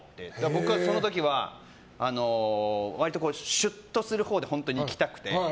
僕はその時は割とシュッとするほうで本当にいきたくて。